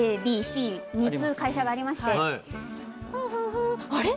ＡＢＣ３つ会社がありまして「あれ？